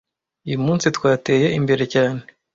Uyu munsi twateye imbere cyane.